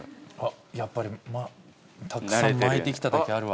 やっぱりたくさん巻いてきただけあるわ。